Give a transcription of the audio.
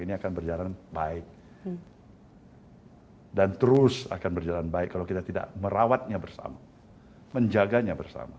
ini akan berjalan baik dan terus akan berjalan baik kalau kita tidak merawatnya bersama menjaganya bersama